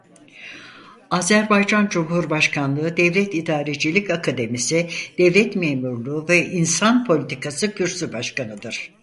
Azerbaycan Cumhurbaşkanlığı Devlet İdarecilik Akademisi Devlet Memurluğu ve İnsan Politikası kürsü başkanıdır.